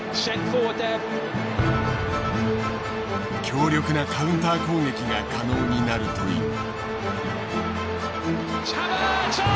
強力なカウンター攻撃が可能になるという。